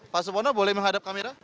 pak supono boleh menghadap kamera